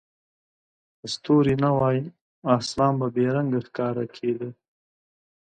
که ستوري نه وای، اسمان به بې رنګه ښکاره کېده.